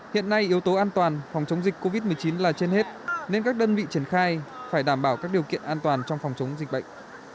hiện nay yếu tố an toàn phòng chống dịch covid một mươi chín là trên hết nên các đơn vị triển khai phải đảm bảo các điều kiện an toàn trong phòng chống dịch bệnh